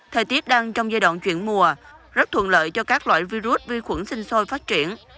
thời tiết đang trong giai đoạn chuyển mùa rất thuận lợi cho các loại virus vi khuẩn sinh sôi phát triển